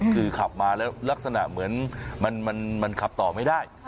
คือขับมาแล้วลักษณะเหมือนมันขับต่อไม่ได้